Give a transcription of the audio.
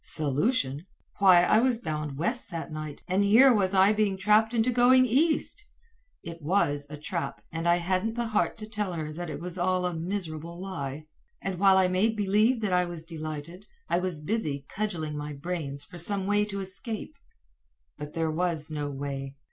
Solution! Why I was bound west that night, and here was I being trapped into going east. It was a trap, and I hadn't the heart to tell her that it was all a miserable lie. And while I made believe that I was delighted, I was busy cudgelling my brains for some way to escape. But there was no way.